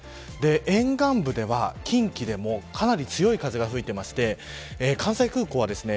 沿岸部では近畿でもかなり強い風が吹いていまして関西空港はですね